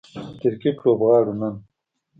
کرکټ لوبغاړو نن